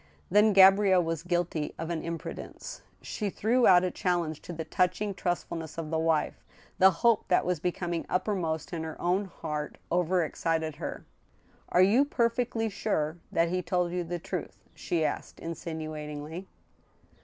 Then Gabrielle was guilty of an imprudence. She threw out a challenge to the touching trustfulness of the wife. The hope that was becoming uppermost in her own heart overexcited her. " Are you perfectly sure that he told you the truth? " she asked, insinuatingly.